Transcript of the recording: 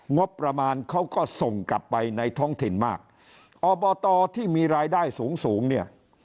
งบประมาณเขาก็ส่งกลับไปในท้องถิ่นมากอบตที่มีรายได้สูงสูงเนี่ย